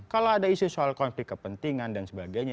kalau ada isu soal konflik kepentingan dan sebagainya